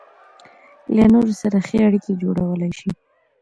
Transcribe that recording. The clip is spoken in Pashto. له نورو سره ښې اړيکې جوړولای شي.